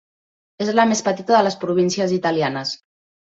És la més petita de les províncies italianes.